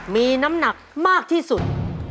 มีน้ำหนักมากที่สุด